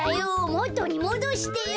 もとにもどしてよ。